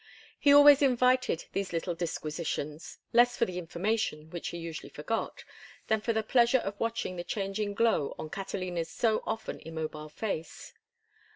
He always invited these little disquisitions, less for the information, which he usually forgot, than for the pleasure of watching the changing glow on Catalina's so often immobile face.